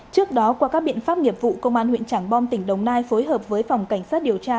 trước đó qua các biện pháp nghiệp vụ công an huyện trảng bom tỉnh đồng nai phối hợp với phòng cảnh sát điều tra